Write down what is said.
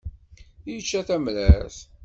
Yečča tamrart.